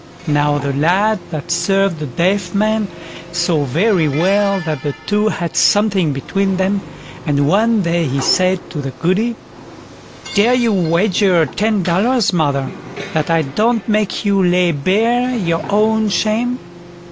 Now the lad that served the deaf man saw very well that the two had something between them, and one day he said to the Goody: "Dare you wager ten dollars, mother, that I don't make you lay bare your own shame?"